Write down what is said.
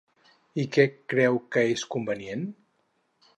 I què creu que és convenient?